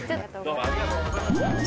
ありがとうございます。